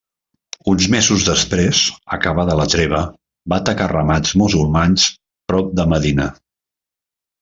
Uns mesos després, acabada la treva, va atacar ramats musulmans prop de Medina.